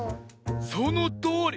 そのとおり！